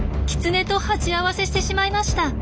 キツネと鉢合わせしてしまいました。